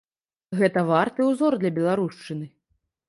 Гэта варты ўзор для беларушчыны.